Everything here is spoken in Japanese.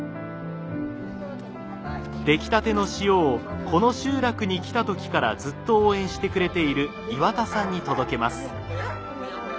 できたての塩をこの集落に来た時からずっと応援してくれている岩田さんに届けます。